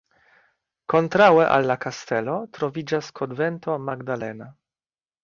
Kontraŭe al la kastelo troviĝas Konvento magdalena.